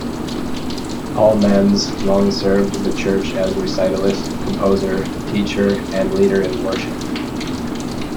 Paul Manz long served the church as recitalist, composer, teacher and leader in worship.